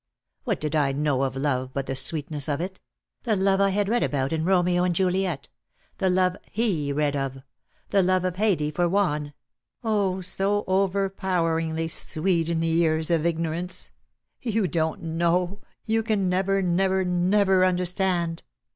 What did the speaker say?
What did I know of love but the sweetness of it — the love I had read about in Romeo and Juliet — the love he read of — the love of Haidee for Juan — oh, so overpoweringly' sweet in the ears of ignorance. You don't know — you can nfever, never, never understand!"